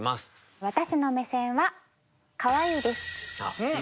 私の目線は「かわいい」です。